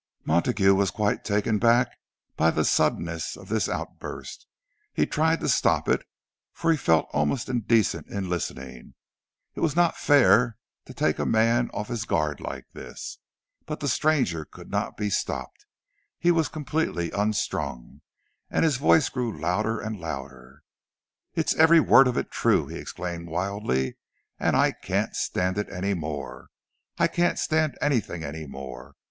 Montague was quite taken aback by the suddenness of this outburst. He tried to stop it, for he felt almost indecent in listening—it was not fair to take a man off his guard like this. But the stranger could not be stopped—he was completely unstrung, and his voice grew louder and louder. "It's every word of it true," he exclaimed wildly. "And I can't stand it any more. I can't stand anything any more.